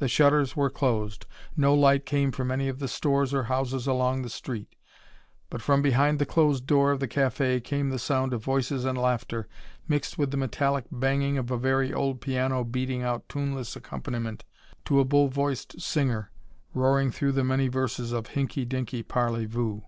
The shutters were closed, no light came from any of the stores or houses along the street, but from behind the closed door of the café came the sound of voices and laughter mixed with the metallic banging of a very old piano beating out tuneless accompaniment to a bull voiced singer roaring through the many verses of "Hinkey Dinkey Parlez Vous".